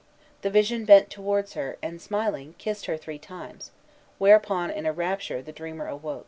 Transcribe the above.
The vision bent towards her, and, smiling, kissed her three times; whereupon, in a rapture, the dreamer awoke.